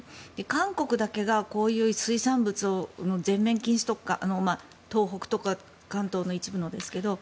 韓国だけがこういう水産物の全面禁止とか東北とか関東の一部のですが。